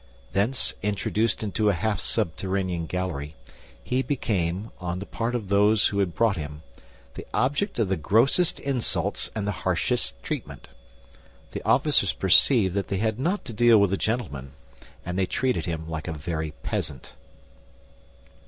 Thence, introduced into a half subterranean gallery, he became, on the part of those who had brought him, the object of the grossest insults and the harshest treatment. The officers perceived that they had not to deal with a gentleman, and they treated him like a very peasant.